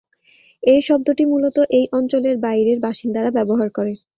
এই শব্দটি মূলত এই অঞ্চলের বাইরের বাসিন্দারা ব্যবহার করে।